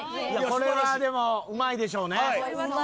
これはでもうまいでしょうね。